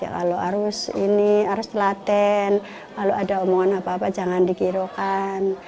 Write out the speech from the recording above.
kalau harus ini harus telaten kalau ada omongan apa apa jangan dikirukan